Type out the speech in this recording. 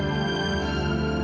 aku mau pergi